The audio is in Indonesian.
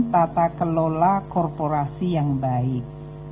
tata kelola korporasi yang baik